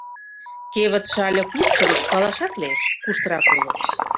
Кевытше але клубшо гыч палашат лиеш: куштырак улыт?